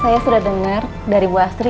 saya sudah dengar dari bu astri